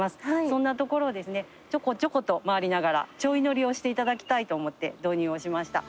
そんな所をですねちょこちょこと回りながらちょい乗りをしていただきたいと思って導入をしました。